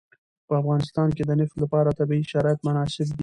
په افغانستان کې د نفت لپاره طبیعي شرایط مناسب دي.